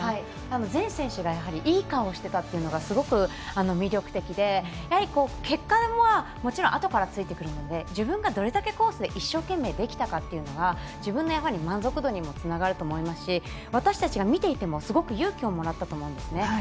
全選手がいい顔をしていたのがすごく魅力的で、結果はもちろんあとからついてくるので自分がどれだけコースで一生懸命できたかが自分の満足度につながると思いますし私たちが見ていてもすごく勇気をもらったと思うんですね。